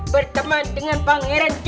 berteman dengan pangeran g